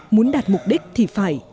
muốn đạt mục đích thì phải